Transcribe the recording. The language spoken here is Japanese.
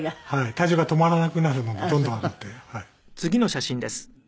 体重が止まらなくなるのでどんどん上がってはい。